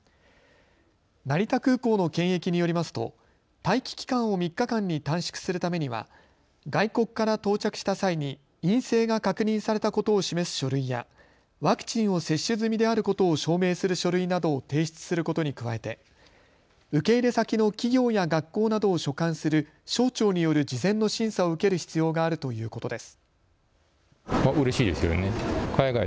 成田空港の検疫によりますと待機期間を３日間に短縮するためには外国から到着した際に陰性が確認されたことを示す書類やワクチンを接種済みであることを証明する書類などを提出することに加えて受け入れ先の企業や学校などを所管する省庁による事前の審査を受ける必要があるということです。